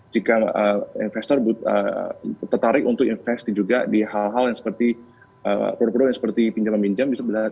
jika investor tertarik untuk investasi juga di hal hal yang seperti produk produk yang seperti pinjaman pinjam